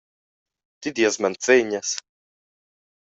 Ti dias manzegnas.